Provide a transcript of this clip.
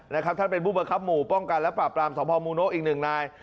ท่านเป็นผู้บังคับหมู่ป้องกันและปราบปรามสมภาพมูโนะอีกหนึ่งนาย